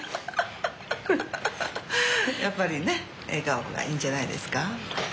やっぱりね笑顔がいいんじゃないですか。